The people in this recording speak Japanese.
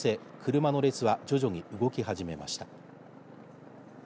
車の列は徐々に動き始めました。